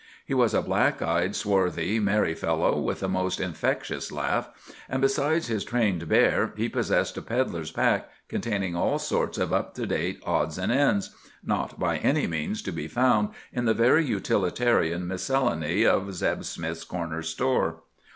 He was a black eyed, swarthy, merry fellow, with a most infectious laugh, and besides his trained bear he possessed a pedlar's pack containing all sorts of up to date odds and ends, not by any means to be found in the very utilitarian miscellany of Zeb Smith's corner store.